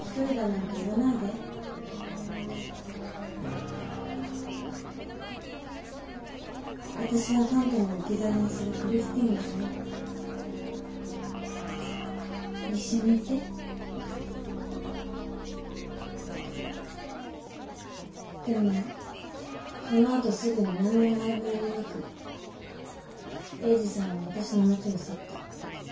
１人だなんて言わないで私はファントムを置き去りにするク一緒にいてでもその後すぐに何の前触れもなく鋭治さんは私の元を去った。